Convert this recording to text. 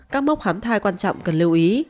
các mốc khám thai quan trọng cần lưu ý